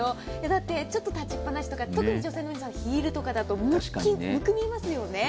だって、ちょっと立ちっぱなしとか特に女性の皆さん、ヒールとかだとむくみますよね。